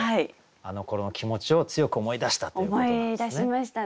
あのころの気持ちを強く思い出したっていうことなんですね。